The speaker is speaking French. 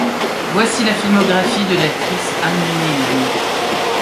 Voici la filmographie de l'actrice Anne Neyland.